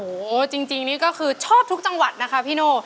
โอ้โหจริงนี่ก็คือชอบทุกจังหวัดนะคะพี่โน่